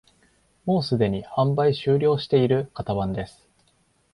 もうすでに販売終了している型番です